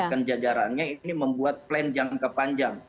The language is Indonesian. dan jajarannya ini membuat plan jangka panjang